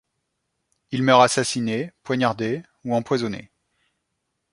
Il meurt assassiné, poignardé ou empoisonné.